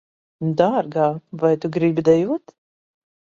Dārgā, vai tu gribi dejot?